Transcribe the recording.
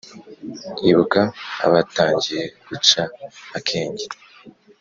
Ibuka abatangiye guca akenge